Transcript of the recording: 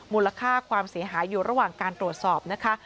มูลค่าความเสียหายอยู่ระหว่างการตรวจสอบนะคะ